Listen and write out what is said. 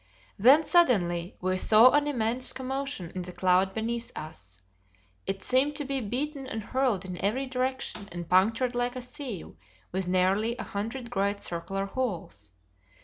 Then, suddenly we saw an immense commotion in the cloud beneath us. It seemed to be beaten and hurled in every direction and punctured like a sieve with nearly a hundred great circular holes.